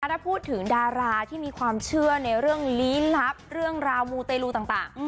ถ้าพูดถึงดาราที่มีความเชื่อในเรื่องลี้ลับเรื่องราวมูเตลูต่าง